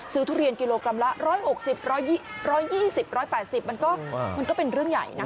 ทุเรียนกิโลกรัมละ๑๖๐๑๒๐๑๘๐มันก็เป็นเรื่องใหญ่นะ